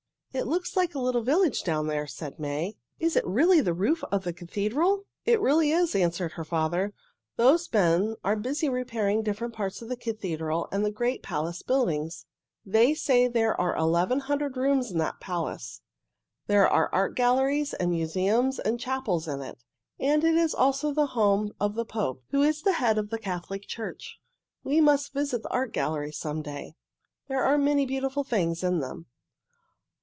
"It looks like a little village down there," said May. "Is it really the roof of the cathedral?" "It really is," answered her father. "Those men are busy repairing different parts of the cathedral and the great palace buildings. They say there are eleven hundred rooms in that palace. There are art galleries and museums and chapels in it, and it is also the home of the Pope, who is the head of the Catholic Church. We must visit the art galleries some day. There are many beautiful things in them."